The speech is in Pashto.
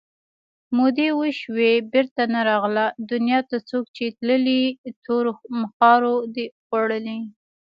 مودې وشوې بېرته نه راغله دنیا ته څوک چې تللي تورو مخاورو دي خوړلي